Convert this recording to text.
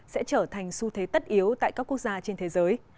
sẽ trở thành xu thế tất yếu tại các quốc gia trên thế giới